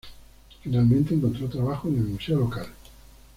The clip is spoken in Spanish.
Finalmente encontró trabajo en el museo local.